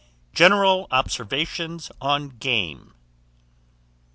GENERAL OBSERVATIONS ON GAME.